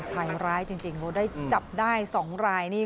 ภัยร้ายจริงได้จับได้๒รายนี่